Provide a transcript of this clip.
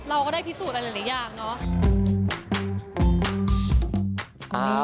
เราก็ได้พิสูจน์อะไรหลายอย่างเนอะ